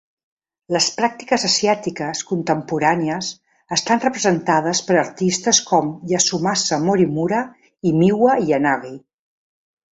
Les pràctiques asiàtiques contemporànies estan representades per artistes com Yasumasa Morimura i Miwa Yanagi.